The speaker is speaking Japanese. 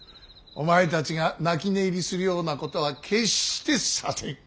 お前たちが泣き寝入りするようなことは決してさせん。